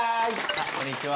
こんにちは。